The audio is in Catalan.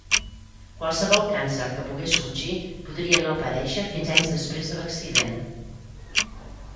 Qualsevol càncer que pogués sorgir podria no aparèixer fins anys després de l'accident.